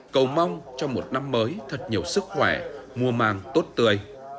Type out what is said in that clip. cầu mong cho một năm mới thật nhiều sức khỏe mùa màng tốt tươi